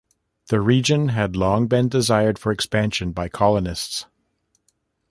The region had long been desired for expansion by colonists.